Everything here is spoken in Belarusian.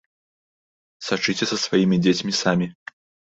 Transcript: Сачыце за сваімі дзецьмі самі!